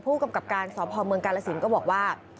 ผู้กำกับการสพเมืองกาลสินก็บอกว่า